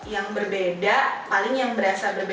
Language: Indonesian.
yang berbeda paling yang berasa berbeda